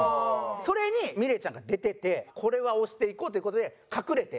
それにみれいちゃんが出ててこれは推していこうという事で隠れて。